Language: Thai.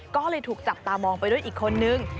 ก็เลยถูกจับตามองไปด้วยอีกคนนึง